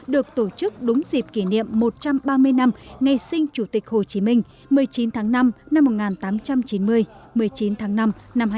được tổ chức đúng dịp kỷ niệm một trăm ba mươi năm ngày sinh chủ tịch hồ chí minh một mươi chín tháng năm năm một nghìn tám trăm chín mươi một mươi chín tháng năm năm hai nghìn hai mươi